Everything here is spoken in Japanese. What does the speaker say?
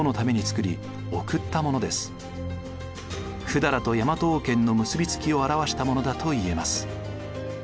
百済と大和王権の結びつきを表したものだといえます。